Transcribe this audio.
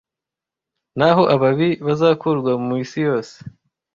Naho ababi bazakurwa mu isi yose